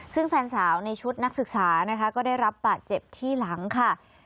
ซึ่งแฟนสาวในชุดนักศึกษานะคะก็ได้รับบาดเจ็บที่หลังค่ะ